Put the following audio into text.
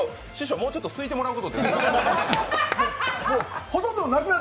もうちょっとすいてもらうことって。